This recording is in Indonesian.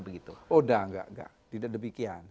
sudah tidak tidak demikian